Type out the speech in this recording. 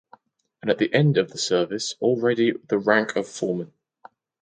And at the end of the service already the rank of foreman.